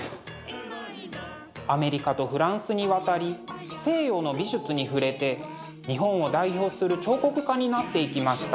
アメリカとフランスに渡り西洋の美術に触れて日本を代表する彫刻家になっていきました。